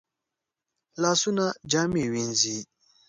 لاسونه جامې وینځي